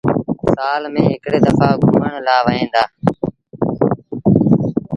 سآل ميݩ هڪڙي دڦآ گھمڻ لآ وهيݩ دآ۔